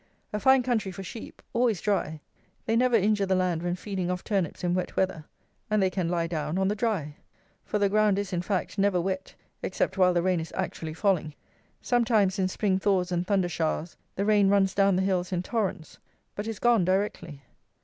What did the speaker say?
A fine country for sheep: always dry: they never injure the land when feeding off turnips in wet weather; and they can lie down on the dry; for the ground is, in fact, never wet except while the rain is actually falling. Sometimes, in spring thaws and thunder showers, the rain runs down the hills in torrents; but is gone directly.